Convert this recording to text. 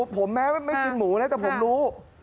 ผมแม้ไม่ชื่นหมูแล้วแต่ผมรู้